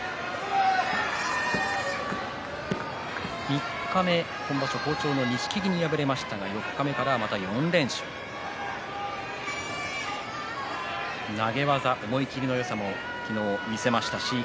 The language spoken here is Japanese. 三日目に今場所好調の錦木に敗れましたが翌日から４連勝投げ技の思い切りのよさも見せました。